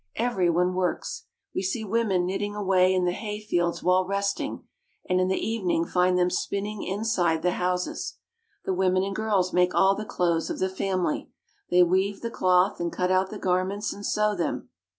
Every one works. We see women knitting away in the hay l8o SCANDINAVIA. fields while resting, and in the evening find them spinning inside the houses. The women and girls make all the clothes of the family. They weave the cloth, and cut out the garments and sew them.